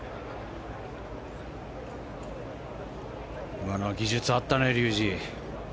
今のは技術あったね、竜二。